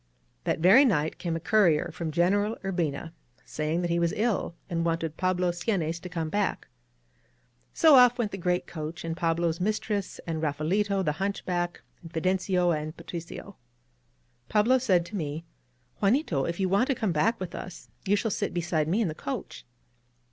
That very night came a courier from General Ur bina, saying that he was ill and wanted Pablo Seanes to come back. So ofF went the great coach, and Pa blo's mistress, and Raphaelito, the hunchback, and Fi dencio, and Patricio. Pablo said to me: ^^Juanito, if you want to come back with us, you shall sit beside me in the coach."